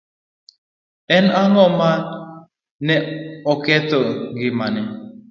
En ang'o ma ne oketho ngimane?